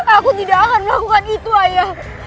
aku tidak akan melakukan itu ayah